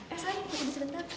eh sayang tunggu sebentar